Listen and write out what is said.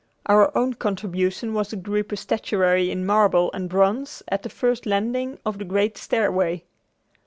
Our own contribution was a group of statuary in marble and bronze at the first landing of the great stairway.